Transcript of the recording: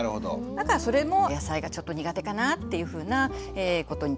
だからそれも野菜がちょっと苦手かなっていうふうなことにつながりますね。